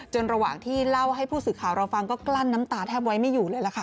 ระหว่างที่เล่าให้ผู้สื่อข่าวเราฟังก็กลั้นน้ำตาแทบไว้ไม่อยู่เลยล่ะค่ะ